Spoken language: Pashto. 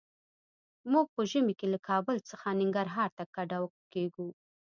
موږ په ژمي کې له کابل څخه ننګرهار ته کډه کيږو.